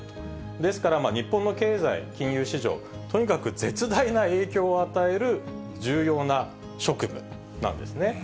ですから日本の経済、金融市場、とにかく絶大な影響を与える重要な職務なんですね。